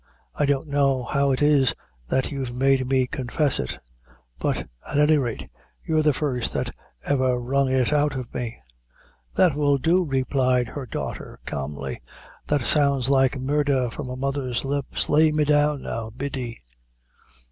I don't know how it is that you've made me confess it; but at any rate you're the first that ever wrung it out o' me." "That will do," replied her daughter, calmly; "that sounds like murdher from a mother's lips! Lay me down now, Biddy."